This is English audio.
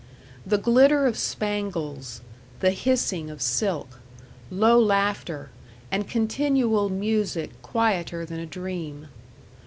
The glitter of spangles, the hissing of silk, low laughter, and continual music quieter than a dream.